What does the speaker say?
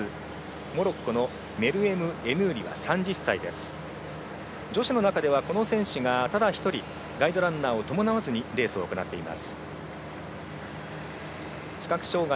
モロッコのエヌーリは女子の中ではこの選手がただ１人、ガイドランナーを伴わずにレースを行っています。